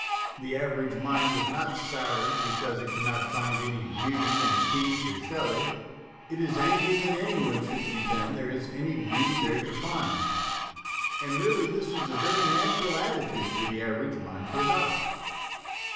The average mind is not soured because it cannot find any beauty in Keats or Shelley ; it is angry that any one should pretend there is any beauty there to find ; and really this is a very natural attitude for the average mind to adopt.